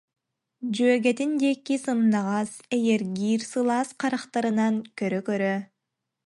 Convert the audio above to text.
дьүөгэтин диэки сымнаҕас, эйэргиир сылаас харахтарынан көрө-көрө